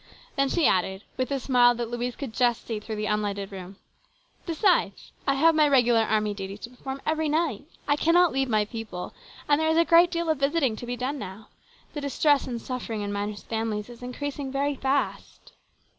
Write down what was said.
Then she added, with a smile that Louise could just see through the unlighted room :" Besides, I have my regular army duties to perform every night. I cannot leave my people, and there is a great deal of visiting to be done now. The distress and suffering in miners' families are increasing very fast."